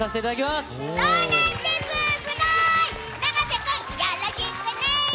すごい！